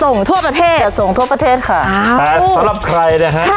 ทั่วประเทศจะส่งทั่วประเทศค่ะอ่าแต่สำหรับใครนะฮะ